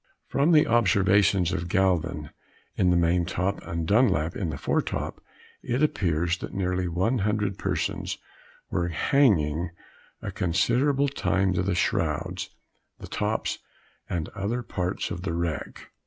From the observations of Galvin in the main top, and Dunlap in the fore top, it appears that nearly one hundred persons were hanging a considerable time to the shrouds, the tops and other parts of the wreck.